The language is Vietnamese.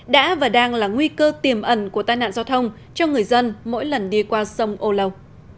đã và đang là nguy cơ tiềm ẩn của tai nạn giao thông cho người dân mỗi lần đi qua sông âu lâu